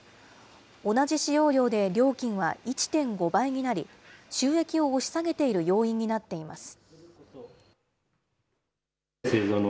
同じ使用量で料金は１．５倍になり、収益を押し下げている要因になっています。